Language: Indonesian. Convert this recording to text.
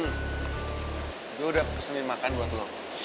hmm gue udah pesenin makan buat lo